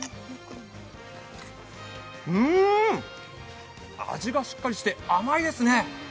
うん、味がしっかりして甘いですね。